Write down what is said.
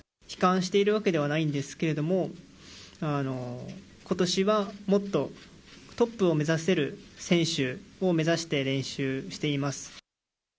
悲観しているわけではないんですけれども、今年はもっとトップを目指せる選手を目指して、練習しています。